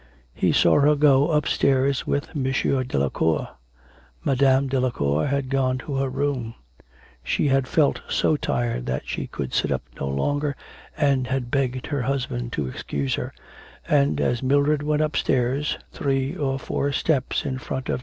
He saw her go upstairs with M. Delacour. Madame Delacour had gone to her room; she had felt so tired that she could sit up no longer and had begged her husband to excuse her, and as Mildred went upstairs, three or four steps in front of M.